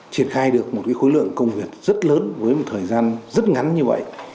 triển khai được một khối lượng công việc rất lớn với một thời gian rất ngắn như vậy